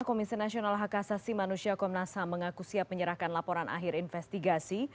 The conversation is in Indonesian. komisi nasional hak asasi manusia komnas ham mengaku siap menyerahkan laporan akhir investigasi